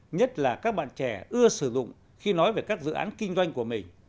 nhất là các bạn trẻ ưa sử dụng khi nói về các dự án kinh doanh của mình